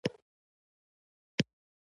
پاچاهان په اقتصادي فعالیتونو برلاسي وو.